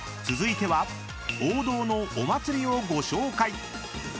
［続いては王道のお祭りをご紹介］